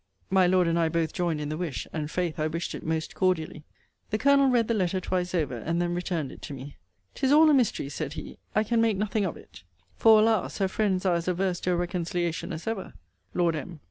My Lord and I both joined in the wish: and 'faith I wished it most cordially. The Colonel read the letter twice over, and then returned it to me. 'Tis all a mystery, said he. I can make nothing of it. For, alas! her friends are as averse to a reconciliation as ever. Lord M.